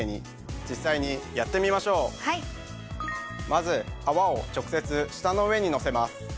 まず泡を直接舌の上にのせます。